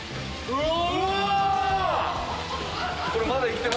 うわ。